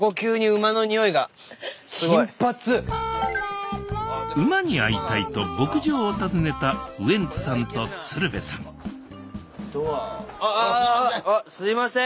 馬に会いたいと牧場を訪ねたウエンツさんと鶴瓶さんああああすいません。